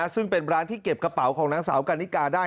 ซึ่งเป็นร้านที่เก็บกระเป๋าของนางสาวกันนิกาได้